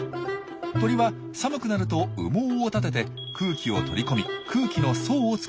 鳥は寒くなると羽毛を立てて空気を取り込み空気の層を作ります。